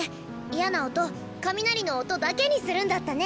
嫌な音雷の音だけにするんだったね。